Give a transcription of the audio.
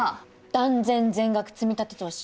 断然全額積み立て投資！